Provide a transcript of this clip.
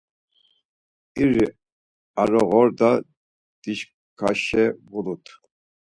İri aroğorda dişkaşe vulut.